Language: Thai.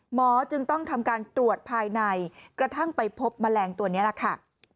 หมอจึงต้องทำการตรวจภายในกระทั่งไปพบแมลงตัวนี้แหละค่ะ